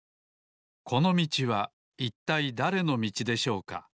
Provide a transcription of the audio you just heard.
このみちはいったいだれのみちでしょうか？